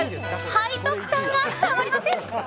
背徳感がたまりません！